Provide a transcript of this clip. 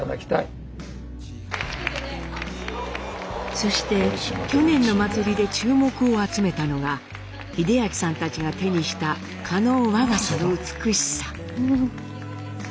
そして去年の祭りで注目を集めたのが英明さんたちが手にした加納和傘の美しさ。